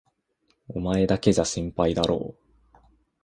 お前だけじゃ心配だろう？